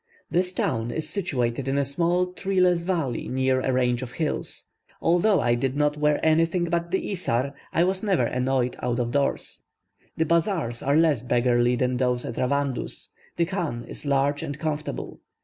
This town is situated in a small treeless valley near a range of hills. Although I did not wear anything but the isar, I was never annoyed out of doors. The bazaars are less beggarly than those at Ravandus, the chan is large and comfortable.